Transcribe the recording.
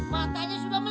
matanya sudah melipah